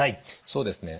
そうですね